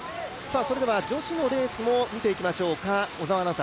それでは女子のレースも見ていきましょうか。